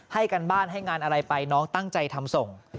ให้การบ้านให้งานอะไรไปน้องตั้งใจทำส่ง